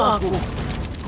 jangan lupa aku